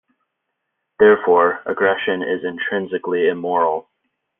Therefore, aggression is intrinsically immoral.